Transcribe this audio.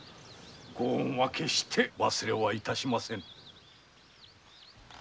ご恩は決して忘れは致しませぬ。